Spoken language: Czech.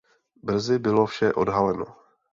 Brzy bylo vše odhaleno.